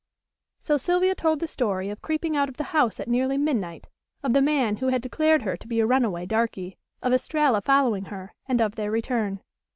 So Sylvia told the story of creeping out of the house at nearly midnight, of the man who had declared her to be a runaway darky, of Estralla following her, and of their return.